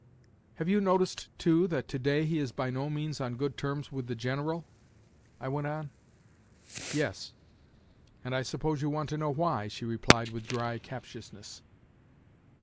"Have you noticed, too, that today he is by no means on good terms with the General?" I went on. "Yes—and I suppose you want to know why," she replied with dry captiousness.